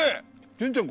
潤ちゃん